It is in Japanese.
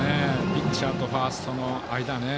ピッチャーとファーストの間。